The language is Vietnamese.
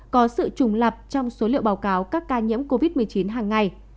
có sự trùng lập trong số liệu báo cáo các ca nhiễm covid một mươi chín hàng ngày